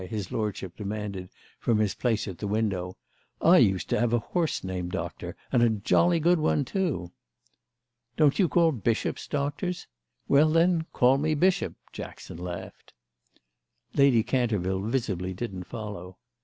his lordship demanded from his place at the window. "I used to have a horse named Doctor, and a jolly good one too." "Don't you call bishops Doctors? Well, then, call me Bishop!" Jackson laughed. Lady Canterville visibly didn't follow.